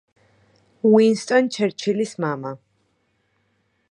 უინსტონ ჩერჩილის მამა.